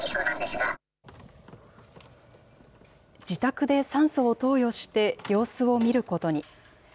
自宅で酸素を投与して、様子を見ることに。